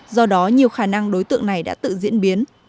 do đó nhiều khả năng đối tượng này đã tự diễn biến